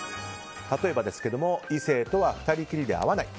例えば、異性とは２人きりで会わない。